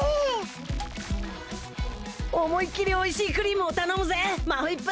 思いっきりおいしいクリームを頼むぜマホイップ！